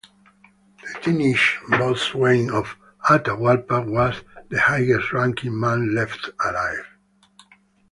The teenage boatswain of "Atahualpa" was the highest ranking man left alive.